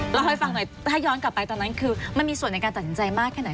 เล่าให้ฟังหน่อยถ้าย้อนกลับไปตอนนั้นคือมันมีส่วนในการตัดสินใจมากแค่ไหน